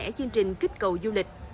với các chương trình kích cầu